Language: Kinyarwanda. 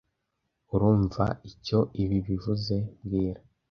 Urumva icyo ibi bivuze mbwira